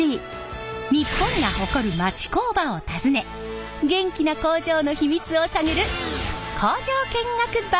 日本が誇る町工場を訪ね元気な工場の秘密を探る